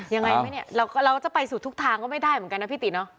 ยังไงไหมเนี่ยเราจะไปสู่ทุกทางก็ไม่ได้เหมือนกันนะพี่ติเนอะ